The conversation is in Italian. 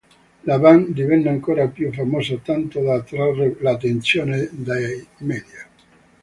La band divenne ancora più famosa, tanto da attrarre l'attenzione dei media.